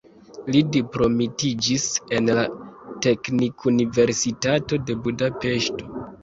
Li diplomitiĝis en la teknikuniversitato de Budapeŝto.